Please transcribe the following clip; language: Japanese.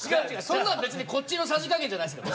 そんなの別にこっちのさじ加減じゃないですか。